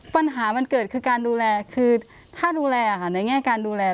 ปัญหามันเกิดคือการดูแลคือถ้าดูแลในแง่การดูแล